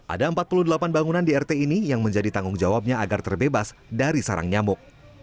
ada empat puluh delapan bangunan di rt ini yang menjadi tanggung jawabnya agar terbebas dari sarang nyamuk